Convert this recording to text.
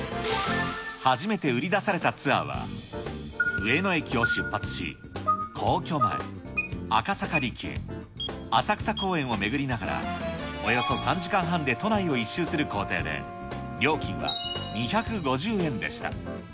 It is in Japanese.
初めて売り出されたツアーは、上野駅を出発し、皇居前、赤坂離宮、浅草公園を巡りながら、およそ３時間半で都内を１周する行程で、料金は２５０円でした。